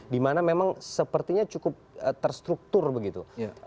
dimana memang sepertinya cukup terstruktur begitu